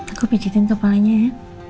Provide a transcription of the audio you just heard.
aku pijetin kepalanya ya